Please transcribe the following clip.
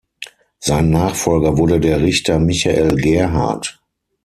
Sein Nachfolger wurde der Richter Michael Gerhardt.